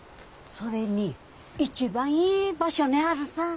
それに一番いい場所にあるさぁ。